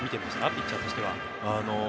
ピッチャーとしては。